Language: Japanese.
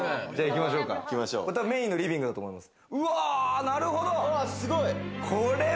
これメーンのリビングだと思います。